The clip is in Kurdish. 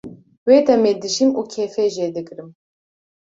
wê demê dijîm û kêfê jê digrim